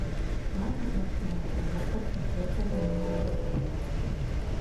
Аўтар натхняўся вокладкай першага нумара выдання.